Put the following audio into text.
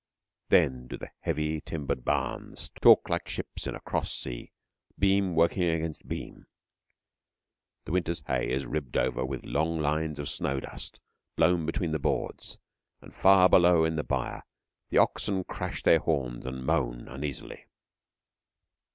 Then do the heavy timbered barns talk like ships in a cross sea, beam working against beam. The winter's hay is ribbed over with long lines of snow dust blown between the boards, and far below in the byre the oxen clash their horns and moan uneasily.